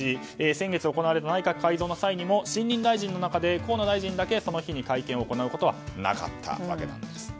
先月行われた内閣改造の際でも新任大臣の中でも河野大臣だけその日に会見を行うことはなかったんです。